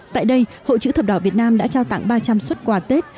tại đây hội chữ thập đỏ việt nam đã trao tặng ba trăm linh xuất quà tết